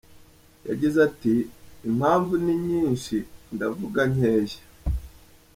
Yagize ati: "Impamvu ni nyinshi ndavuga nkeya.